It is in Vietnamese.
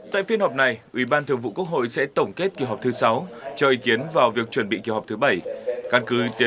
tại phiên họp này ủy ban thường vụ quốc hội sẽ tổng kết kỳ họp thứ sáu cho ý kiến vào việc chuẩn bị kỳ họp thứ bảy